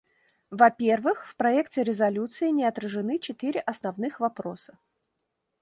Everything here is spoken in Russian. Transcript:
Во-первых, в проекте резолюции не отражены четыре основных вопроса.